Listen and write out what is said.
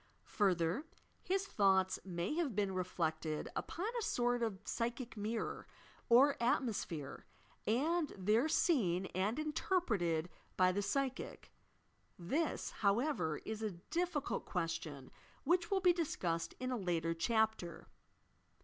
Further, his thoughts may have been reflected upon a sort of psychic mirror, or atmosphere, and there seen and interpreted by the psychic. This, however, is a difficult question which will be discussed in a later chapter.